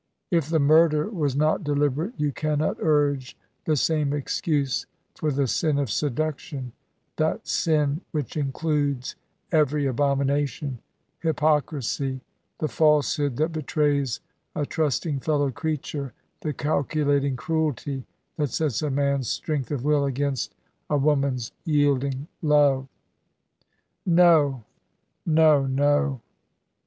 If the murder was not deliberate you cannot urge the same excuse for the sin of seduction, that sin which includes every abomination hypocrisy, the falsehood that betrays a trusting fellow creature, the calculating cruelty that sets a man's strength of will against a woman's yielding love." "No, no, no.